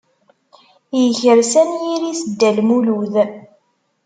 Yekres anyir-is Dda Lmulud.